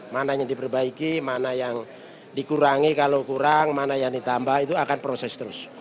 mana yang diperbaiki mana yang dikurangi kalau kurang mana yang ditambah itu akan proses terus